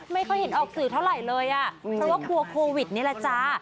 ไม่ค่อยเห็นออกสื่อเท่าไหร่เลยอ่ะเพราะว่ากลัวโควิดนี่แหละจ้า